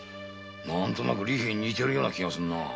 何となく利平に似てるような気がするな。